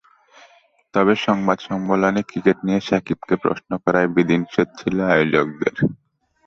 তবে সংবাদ সম্মেলনে ক্রিকেট নিয়ে সাকিবকে প্রশ্ন করায় বিধিনিষেধ ছিল আয়োজকদের।